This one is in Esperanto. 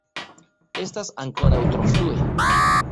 Estas ankoraŭ tro frue.